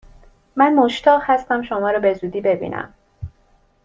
من مشتاق هستم شما را به زودی ببینم!